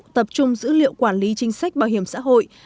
tập trung dữ liệu quản lý chính sách bảo hiểm xã hội